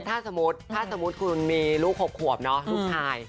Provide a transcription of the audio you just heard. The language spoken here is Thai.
ถ้าสมมุติคุณมีลูกหวบแล้ว